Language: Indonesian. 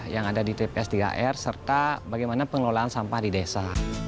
yang ada di tps tiga r serta bagaimana pengelolaan sampah di desa